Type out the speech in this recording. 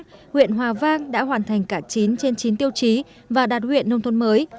trong năm năm qua huyện hòa vang đã hoàn thành cả chín trên chín tiêu chí và đạt huyện nông thôn mới